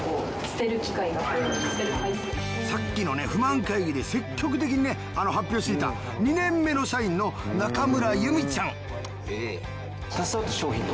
さっきのね不満会議で積極的にね発表していた２年目の社員の中村優美ちゃん。